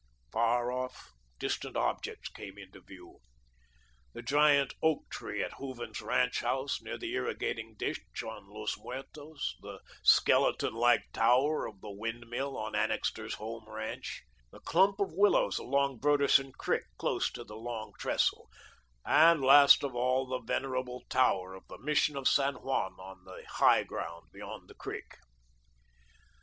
Far off, distant objects came into view: The giant oak tree at Hooven's ranch house near the irrigating ditch on Los Muertos, the skeleton like tower of the windmill on Annixter's Home ranch, the clump of willows along Broderson Creek close to the Long Trestle, and, last of all, the venerable tower of the Mission of San Juan on the high ground beyond the creek.